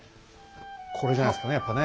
これじゃないですかねやっぱね。